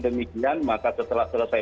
demikian maka setelah selesai